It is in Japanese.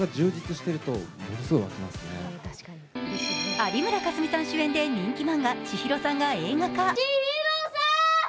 有村架純さん主演で人気漫画「ちひろさん」が映画化。